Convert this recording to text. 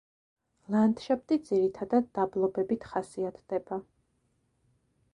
ლანდშაფტი ძირითადად დაბლობებით ხასიათდება.